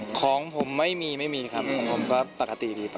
แบบของผมไม่มีคลับแล้วก็ปกติดี